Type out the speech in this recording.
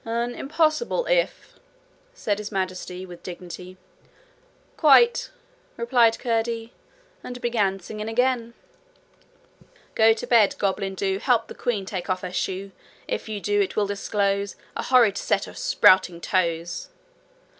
'An impossible if,' said His Majesty with dignity. 'Quite,' returned Curdie, and began singing again: 'Go to bed, Goblin, do. Help the queen Take off her shoe. 'If you do, It will disclose A horrid set Of sprouting toes.'